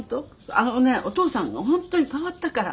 あのねお父さん本当に変わったから。